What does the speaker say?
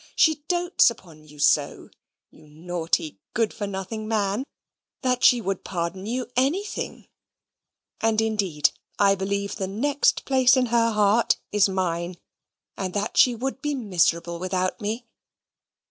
She dotes upon you so (you naughty, good for nothing man), that she would pardon you ANYTHING: and, indeed, I believe, the next place in her heart is mine: and that she would be miserable without me.